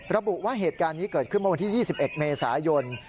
ระบุว่าเหตุการณ์นี้เกิดขึ้นเมื่อวันที่๒๑เมษายน